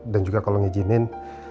dan juga kalau ngijinin